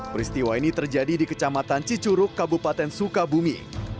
peristiwa ini terjadi di kecamatan cicuruk kabupaten sukabumi